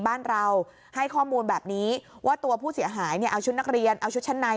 บ้านเราให้ข้อมูลแบบนี้ว่าตัวผู้เสียหายเนี่ยเอาชุดนักเรียนเอาชุดชั้นใน